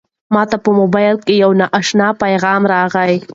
ما ته په موبایل کې یو نااشنا پیغام راغلی دی.